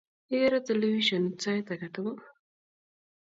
Igeere telefishionit sait age tugul